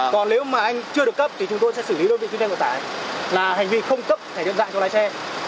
còn nếu mà anh chưa được cấp thì chúng tôi sẽ xử lý đơn vị chuyên gia nội tải là hành vi không cấp thẻ nhận dạng cho lái xe